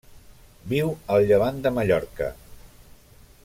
Viu al Llevant de Mallorca.